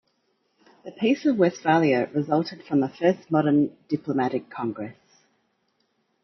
The Peace of Westphalia resulted from the first modern diplomatic congress.